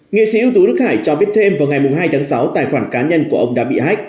nghệ sĩ ưu tú đức hải cho biết thêm vào ngày hai tháng sáu tài khoản cá nhân của ông đã bị hách